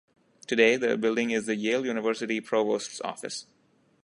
Today, the building is the Yale University Provost's Office.